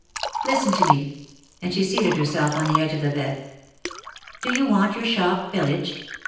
Listen to me," and she seated herself on the edge of the bed. '^Do you want your shop pillaged